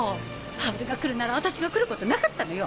ハウルが来るなら私が来ることなかったのよ！